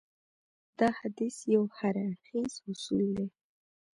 دا حديث يو هراړخيز اصول دی.